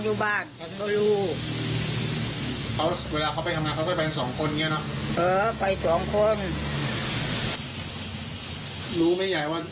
รู้ไหมใหญ่ว่า